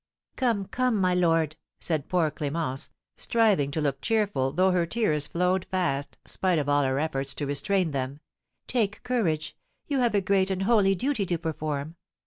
"Come, come, my lord," said poor Clémence, striving to look cheerful, though her tears flowed fast, spite of all her efforts to restrain them, "take courage, you have a great and holy duty to perform.